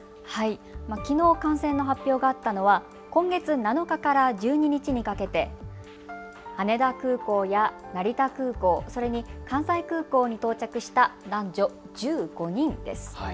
きのう感染の発表があったのは今月７日から１２日にかけて羽田空港や成田空港、それに関西空港に到着した男女１５人です。